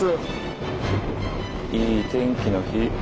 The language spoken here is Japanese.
いい天気の日。